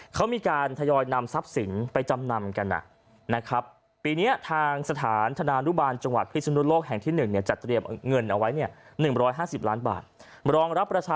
เขามีการทยอยนำทรัพย์สินไปจำนำกันนะครับ